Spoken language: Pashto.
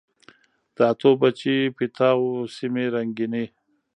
د اتو، بچي، پیتاو سیمي رنګیني